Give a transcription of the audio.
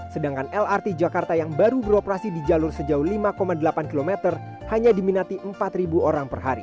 sedangkan lrt jakarta yang baru beroperasi di jalur sejauh lima delapan km hanya diminati empat orang per hari